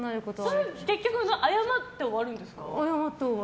それは結局謝って終わるんですか？